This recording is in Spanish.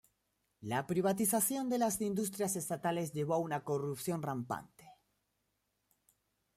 La privatización de las industrias estatales llevó a una corrupción rampante.